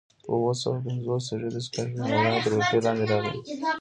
په اووه سوه پنځلسم زېږدیز کال د امویانو تر ولکې لاندې راغي.